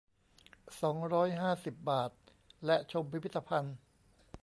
สองร้อยห้าสิบ บาท และชมพิพิธภัณฑ์